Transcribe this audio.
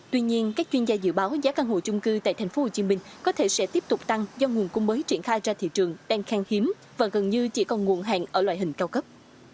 tuy nhiên các chuyên gia dự báo giá căn hộ chung cư tại tp hcm có thể sẽ tiếp tục tăng do nguồn cung mới triển khai ra thị trường đang khang hiếm và gần như chỉ còn nguồn hàng ở loại hình cao cấp